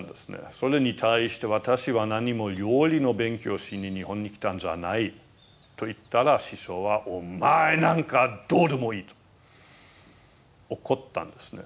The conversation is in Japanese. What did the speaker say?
それに対して私はなにも料理の勉強をしに日本に来たんじゃないと言ったら師匠は「お前なんかどうでもいい」と怒ったんですね。